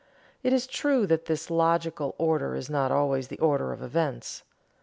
It is true that this logical order is not always the order of events.